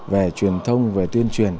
về truyền thông về tuyên truyền